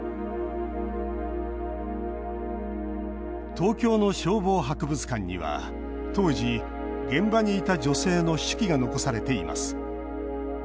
東京の消防博物館には当時、現場にいた女性の手記が残されています。